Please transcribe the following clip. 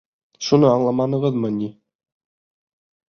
Шуны аңламанығыҙмы ни?